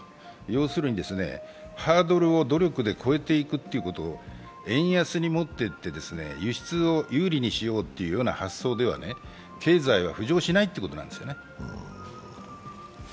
要するにハードルを努力で越えていくということ、円安にもっていって、輸出を有利にしようという発想では経済は浮上しないということなんですよね。